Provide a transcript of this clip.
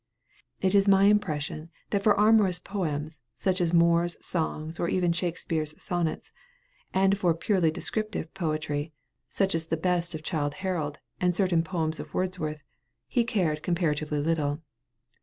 It is my impression that for amorous poems, such as Moore's songs, or even Shakespeare's sonnets, and for purely descriptive poetry, such as the best of 'Childe Harold' and certain poems of Wordsworth, he cared comparatively little.